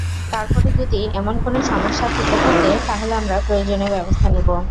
তারপরও যদি এমন কোনো সমস্যা থেকে থাকে, তাহলে আমরা প্রয়োজনীয় ব্যবস্থা নিব।